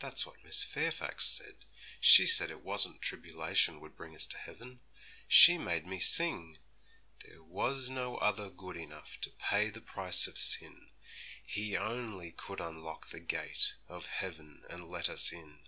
'That's what Miss Fairfax said; she said it wasn't tribulation would bring us to heaven. She made me sing, "There was no other good enough To pay the price of sin; He only could unlock the gate Of heaven and let us in."